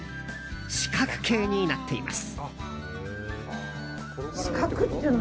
四角形になっています。